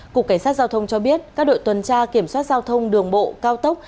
cục cảnh sát giao thông cho biết các đội tuần tra kiểm soát giao thông đường bộ cao tốc